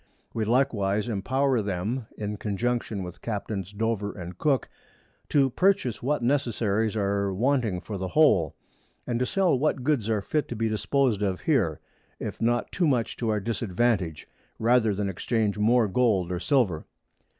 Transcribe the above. We likewise empower them, in Conjunction with Captains_ Dover and Cook _, to purchase what Necessaries are wanting for the Whole, and to sell what Goods are fit to be dispos'd of here, if not too much to our Disadvantage, rather than exchange more Gold or Silver.